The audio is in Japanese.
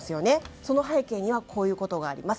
その背景にはこういうことがあります。